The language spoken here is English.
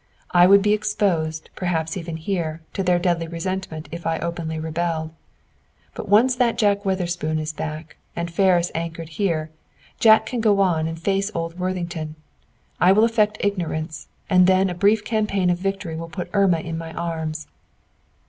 I would be exposed, perhaps even here, to their deadly resentment if I openly rebelled. "But once that Jack Witherspoon is back, and Ferris anchored here, Jack can go on and face old Worthington. I will affect ignorance, and then a brief campaign of victory will put Irma in my arms."